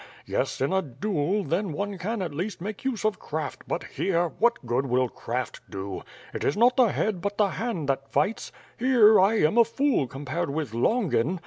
Yes, in a duel, then one can at least make use of craft but, here, what good will craft do? It is not the head but the hand that fights. Here, I am a fool compared with Longin.